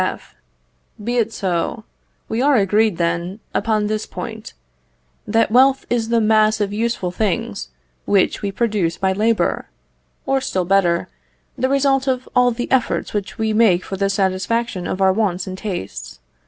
F. Be it so. We are agreed, then, upon this point, that wealth is the mass of useful things Which we produce by labour; or, still better, the result of all the efforts which we make for the satisfaction of our wants and tastes.